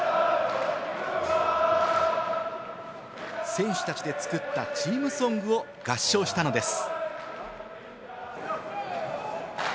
選手たちで作ったチームソングを合唱したのです。